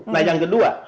nah yang kedua